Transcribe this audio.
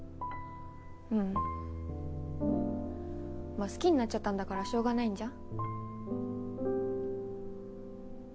まぁ好きになっちゃったんだからしようがないんじゃん。